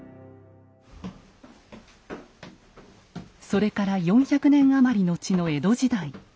それから４００年余り後の江戸時代。